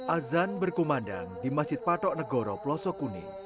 azan berkumandang di masjid patok negoro pelosok kuning